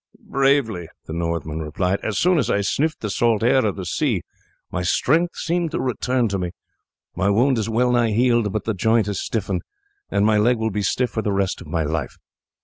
"Bravely," the Northman replied. "As soon as I sniffed the salt air of the sea my strength seemed to return to me. My wound is well nigh healed; but the joint has stiffened, and my leg will be stiff for the rest of my life.